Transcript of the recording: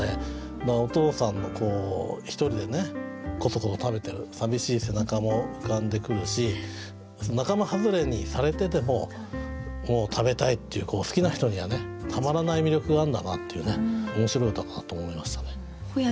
お父さんの一人でこそこそ食べてる寂しい背中も浮かんでくるし仲間外れにされてでも食べたいっていう好きな人にはたまらない魅力があるんだなっていうね面白い歌だなと思いましたね。